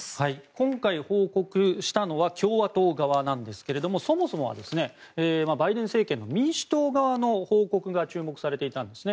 今回、報告したのは共和党側なんですけどそもそもはバイデン政権の民主党側の報告が注目されていたんですね。